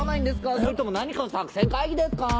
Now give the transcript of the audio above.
それとも何かの作戦会議ですかぁ？